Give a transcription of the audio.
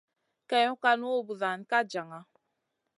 Kèwn kànu, buzuwan ka jaŋa.